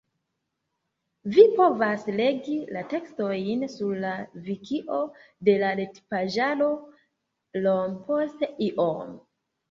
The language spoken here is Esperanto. Vi povas legi la tekstojn sur la Vikio de la retpaĝaro Iom post iom.